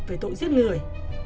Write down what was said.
về tội giết người